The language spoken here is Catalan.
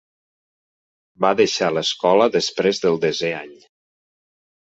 Va deixar l'escola després del desè any.